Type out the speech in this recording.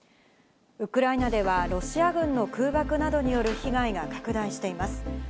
ウクライナではロシア軍の空爆などによる被害が拡大しています。